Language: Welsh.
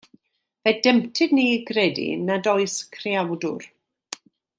Fe demtid ni i gredu nad oes Creawdwr.